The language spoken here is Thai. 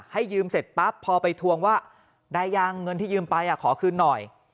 ให้ยืมเสร็จปั๊บพอไปทวงว่าได้ยังเงินที่ยืมไปขอคืนหน่อย